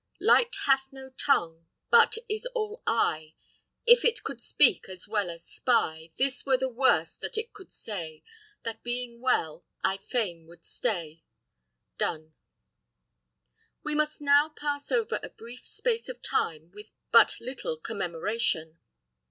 Light hath no tongue, but is all eye; If it could speak as well as spy, This were the worst that it could say, That being well I fain would stay. Donne. We must now pass over a brief space of time with but little commemoration.